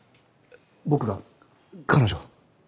僕が彼女を？